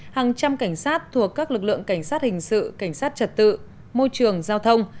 hàng trăm cảnh sát thuộc các lực lượng cảnh sát hình sự cảnh sát trật tự môi trường giao thông